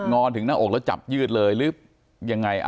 งอนถึงหน้าอกแล้วจับยืดเลย